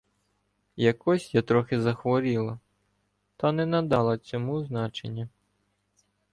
Якось я трохи захворіла, та не надала цьому значення.